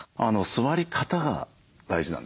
座り方が大事なんですよね。